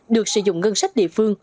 được sử dụng ngân sách địa phương